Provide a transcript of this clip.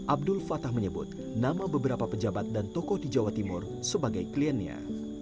abdul fatah menyebut nama beberapa pejabat dan tokoh di jawa timur sebagai kliennya